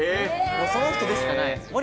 その人でしかない。